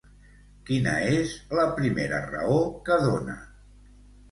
Quina és la primera raó que dona?